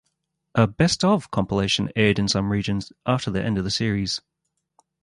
A "Best Of" compilation aired in some regions after the end of the series.